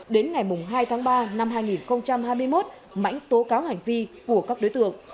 đến ngày hai tháng ba năm hai nghìn hai mươi một mãnh tố cáo hành vi của các đối tượng